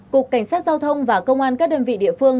cục cảnh sát giao thông và công an các đơn vị địa phương